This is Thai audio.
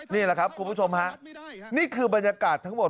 นี่แหละครับคุณผู้ชมฮะนี่คือบรรยากาศทั้งหมด